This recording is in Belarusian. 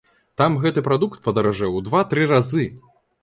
Там гэты прадукт падаражэў у два-тры разы.